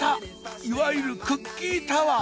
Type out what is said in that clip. いわゆるクッキータワー！